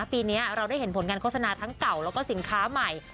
ปีนี้เราได้เห็นผลงานโฆษณาทั้งเก่าแล้วก็สินค้าใหม่